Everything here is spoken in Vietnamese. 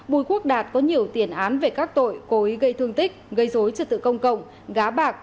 bùi quốc đạt có nhiều tiền án về các tội cố ý gây thương tích gây dối trật tự công cộng gá bạc